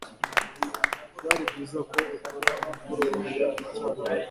Byari byiza ko ukora umukoro wawe icyarimwe.